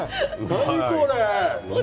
何これ。